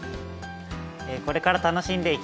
これから楽しんでいきたいと思います！